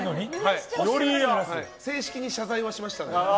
正式に謝罪はしましたので。